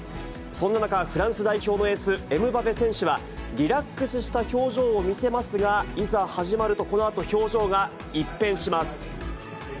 そんな中、フランス代表のエース、エムバペ選手はリラックスした表情を見せますが、いざ始まると、このあと表情が一変します。